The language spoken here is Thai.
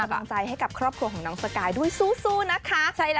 กำลังใจให้กับครอบครัวของน้องสกายด้วยสู้นะคะ